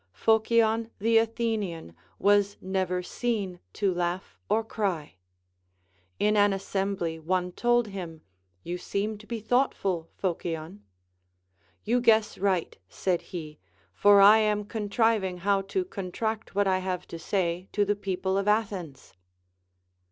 Phocion the Athenian Avas ne\'er seen to laugh or cry. In an assembly one told him. You seem to be thoughtful, Phocion. You guess right, said he, for I am contriving how to contract what I have to say to the people of Athens.